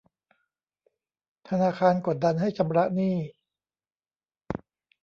ธนาคารกดดันให้ชำระหนี้